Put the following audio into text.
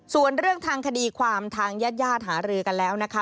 ส่วนเรื่องทางคดีความทางญาติญาติหารือกันแล้วนะคะ